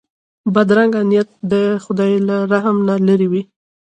بدرنګه نیت د خدای له رحم نه لیرې وي